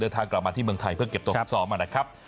เดินทางกลับมาที่เมืองไทยเพื่อเก็บตัวสอบมานะครับ